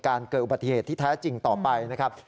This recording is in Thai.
เกิดอุบัติเหตุที่แท้จริงต่อไปนะครับ